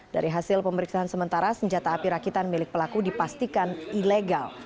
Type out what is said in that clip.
dari hasil pemeriksaan sementara senjata api rakitan milik pelaku dipastikan ilegal